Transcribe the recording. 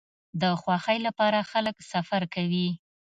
د خوښۍ لپاره خلک سفر کوي.